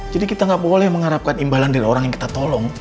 kita nggak boleh mengharapkan imbalan dari orang yang kita tolong